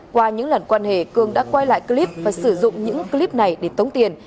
qua những lần quan hệ cường đã quay lại clip và sử dụng những clip này để tống tiền